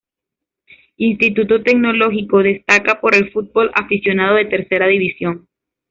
Instituto Tecnológico destaca por el fútbol aficionado de Tercera División.